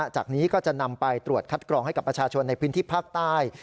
จากนี้ก็จะนำไปตรวจคัดกรองให้กับประชาชนในพื้นที่ภาคใต้